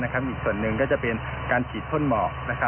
อีกส่วนหนึ่งก็จะเป็นการฉีดพ่นหมอก